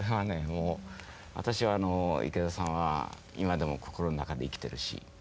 もう私は池田さんは今でも心の中で生きてるし。